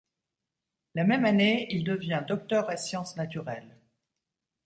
La même année, il devient docteur ès sciences naturelles.